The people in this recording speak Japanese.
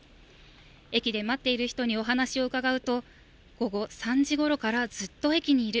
駅で待っている人にお話を伺うと、午後３時ごろからずっと駅にいる。